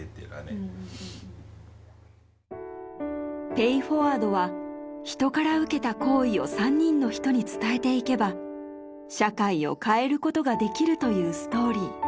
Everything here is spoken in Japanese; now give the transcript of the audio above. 『ペイ・フォワード』は人から受けた好意を３人の人に伝えていけば社会を変えることができるというストーリー。